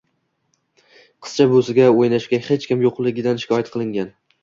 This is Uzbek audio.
qizcha buvisiga o‘ynashga hech kim yo‘qligidan shikoyat qilingan.